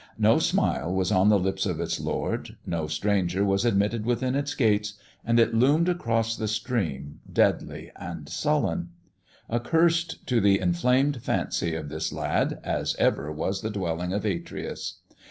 No smile was on the lips of its lord ; no stranger was admitted within its gates, and it loomed across the stream deadly and sullen ; accursed, to the inflamed fancy of this lad, as ever was the dwelling of Atreus.